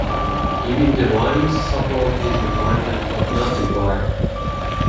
Giving the vines support is recommended, but not required.